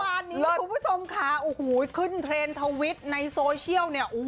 วันนี้คุณผู้ชมคะขึ้นเทรนทวิดในโซเชียล